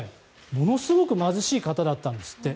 ものすごく貧しい方だったんですって。